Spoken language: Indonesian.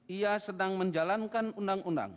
ia sedang menjalankan undang undang